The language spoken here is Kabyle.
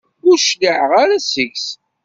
Ur cliɛeɣ ara seg-s.